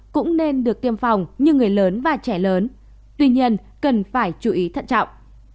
cũng nên được tiêm phòng như người lớn và trẻ lớn tuy nhiên cần phải chú ý thận trọng